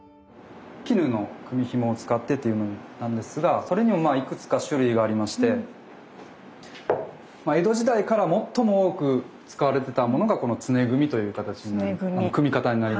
絹の組紐を使ってというのなんですがそれにもいくつか種類がありましてまあ江戸時代から最も多く使われてたものがこの常組という形になります。